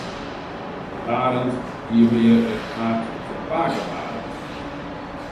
Barend hie mear it aard fan pake Barend.